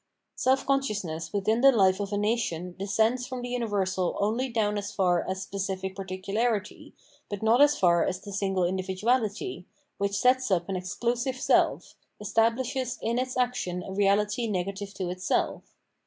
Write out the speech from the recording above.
Self consciousness within the hfe of a nation descends from the universal only down as far as specific particularity, but not as far as the single indi viduality, which sets up an exclusive self, estabhshes in its action a reahty negative to itself.